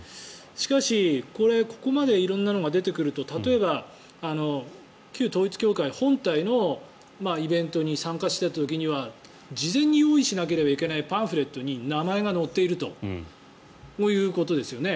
しかし、ここまで色んなのが出てくると例えば、旧統一教会本体のイベントに参加していた時には事前に用意しなければいけないパンフレットに名前が載っているということですよね。